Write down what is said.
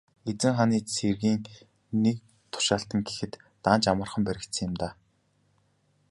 Эзэн хааны цэргийн нэг тушаалтан гэхэд даанч амархан баригдсан юм даа.